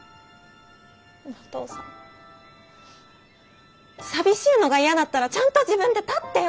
お父さん寂しいのが嫌だったらちゃんと自分で立ってよ！